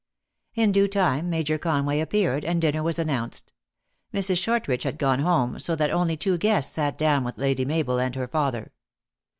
In due time Major Conway appeared, and dinner was announced. Mrs. Shortridge had gone home, so that only two guests sat down with Lady Mabel and her father.